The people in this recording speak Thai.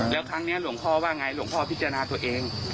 แล้วครั้งนี้หลวงพ่อว่าไงหลวงพ่อพิจารณาตัวเอง